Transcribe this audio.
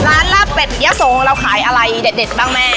ลาบเป็ดยะโสเราขายอะไรเด็ดบ้างแม่